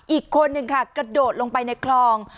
อีกคนนึงค่ะกระโดดลงไปในคลอง